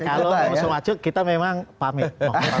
kalau mengusung acu kita memang pamit